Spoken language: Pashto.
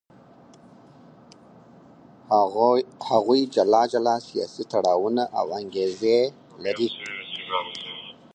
هغوی جلا جلا سیاسي تړاوونه او انګېزې لري.